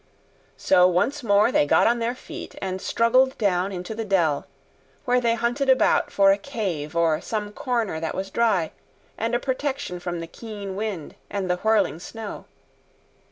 So once more they got on their feet, and struggled down into the dell, where they hunted about for a cave or some corner that was dry and a protection from the keen wind and the whirling snow.